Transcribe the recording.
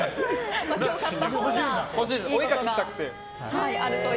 お絵描きしたくて。